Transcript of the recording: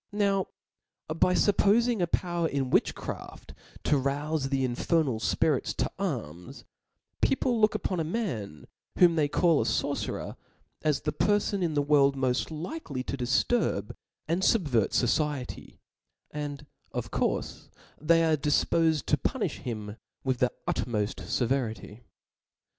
Now by fuppofing a power in witchcraft to roufe the in fernal fpirits to arms, people look upon a man whom they call a forcerer as the perfon in the world raoft likely to difturb and fubvert focicty ; and of courfe,'they are difpofed to punilh him with the tatmoft feveritv.